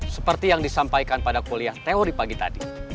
seperti yang disampaikan pada kuliah teori pagi tadi